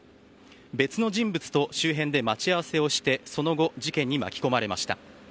別の人物と周辺で待ち合わせをしてその後、事件に巻き込まれました。